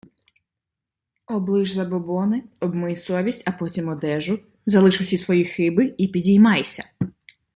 Облиш забобони, обмий совість, а потім одежу, залиш усі свої хиби і підіймайся!